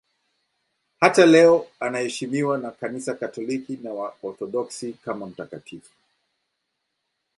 Hata leo anaheshimiwa na Kanisa Katoliki na Waorthodoksi kama mtakatifu.